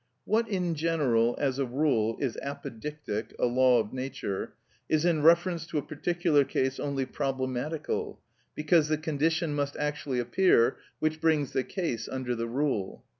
What in general (as a rule) is apodictic (a law of nature), is in reference to a particular case only problematical, because the condition must actually appear which brings the case under the rule.